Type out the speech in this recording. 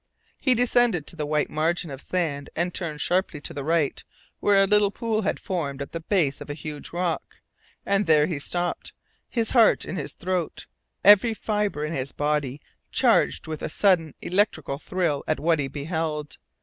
He descended to the white margin of sand and turned sharply to the right, where a little pool had formed at the base of a huge rock. And there he stopped, his heart in his throat, every fibre in his body charged with a sudden electrical thrill at what he beheld.